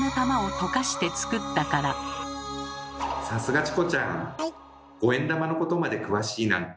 さすがチコちゃん！